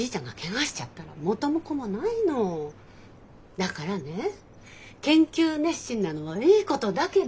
だからね研究熱心なのはいいことだけど。